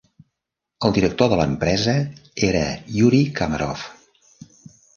El director de l'empresa era Yury Komarov.